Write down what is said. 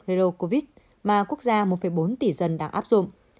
redo covid mà quốc gia một bốn tỷ dân đang áp dụng